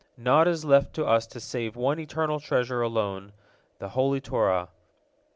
Naught is left to us save one eternal treasure alone—the Holy Torah."